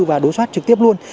và đối soát trực tiếp luôn